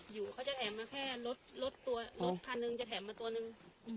อยู่เขาจะแถมมาแค่รถคันหนึ่งจะแถมมาตัวหนึ่ง